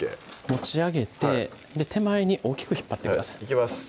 持ち上げて手前に大きく引っ張ってくださいいきます